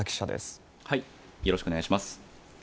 よろしくお願いします。